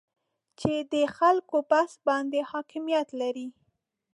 چې د خلکو بحث باندې حاکمیت لري